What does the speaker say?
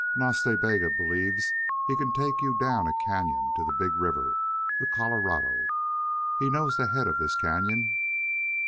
"Nas Ta Bega believes he can take you down a cañon to the big river the Colorado. He knows the head of this cañon.